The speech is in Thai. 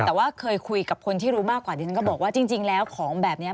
แต่ว่าเคยคุยกับคนที่รู้มากกว่าดิฉันก็บอกว่าจริงแล้วของแบบนี้